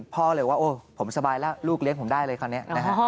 พ่อเลยว่าโอ้ผมสบายแล้วลูกเลี้ยงผมได้เลยคราวนี้นะฮะ